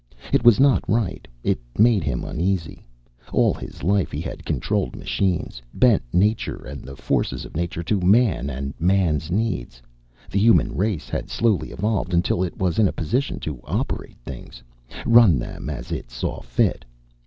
It was not right; it made him uneasy. All his life he had controlled machines, bent nature and the forces of nature to man and man's needs. The human race had slowly evolved until it was in a position to operate things, run them as it saw fit.